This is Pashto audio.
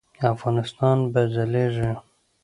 افغانستان به ځلیږي